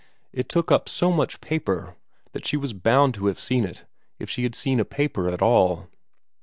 It took up so much of the paper that she was bound to have seen it if she had seen a paper at all.